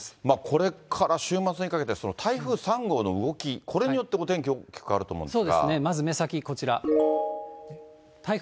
これから週末にかけて、台風３号の動き、これによってお天気大きく変わると思うんですが。